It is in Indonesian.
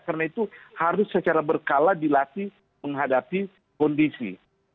karena itu harus secara berkala dilatih menghadapi kondisi